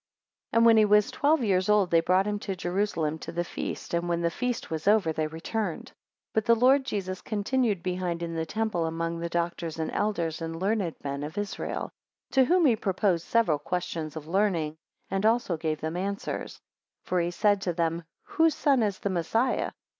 AND when he was twelve years old, they brought him to Jerusalem to the feast; and when the feast was over, they returned. 2 But the Lord Jesus continued behind in the temple among the doctors and elders, and learned men of Israel; to whom he proposed several questions of learning, and also gave them answers: 3 For he said to them, Whose son is the Messiah?